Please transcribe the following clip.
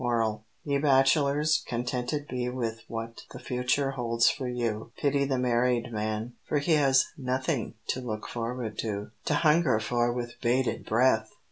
MORAL Ye Bachelors, contented be With what the future holds for you; Pity the married man, for he Has nothing to look forward to, To hunger for with bated breath!